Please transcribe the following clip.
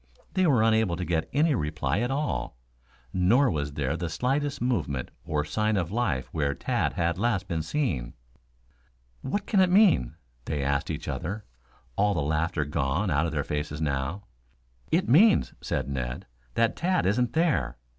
They were unable to get any reply at all; nor was there the slightest movement or sign of life where Tad had last been seen. "What can it mean?" they asked each other, all the laughter gone out of their faces now. "It means," said Ned, "that Tad isn't there.